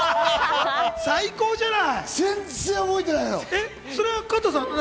最高じゃない！